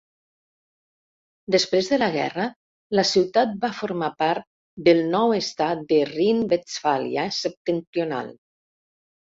Després de la guerra, la ciutat va formar part del nou estat de Rhine-Westfàlia septentrional.